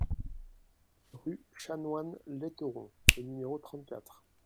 Rue Chanoine Letteron au numéro trente-quatre